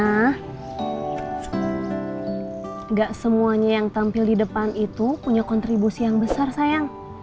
tidak semuanya yang tampil di depan itu punya kontribusi yang besar sayang